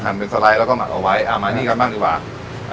เป็นสไลด์แล้วก็หมักเอาไว้อ่ามานี่กันบ้างดีกว่า